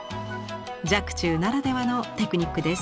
若冲ならではのテクニックです。